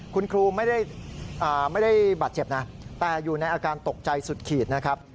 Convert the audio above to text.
คุณครูไม่ได้บาดเจ็บนะแต่อยู่ในอาการตกใจสุดขีดนะครับ